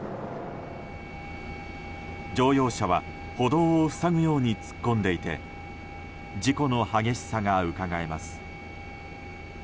乗用車は、歩道を塞ぐように突っ込んでいて事故の激しさがうかがえます。